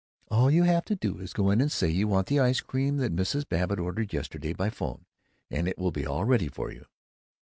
"All you have to do is to go in and say you want the ice cream that Mrs. Babbitt ordered yesterday by 'phone, and it will be all ready for you."